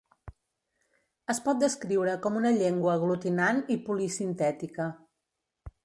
Es pot descriure com una llengua aglutinant i polisintètica.